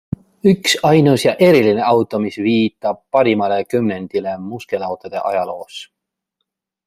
Üks, ainus ja eriline auto, mis viitab parimale kümnendile muskelautode ajaloos.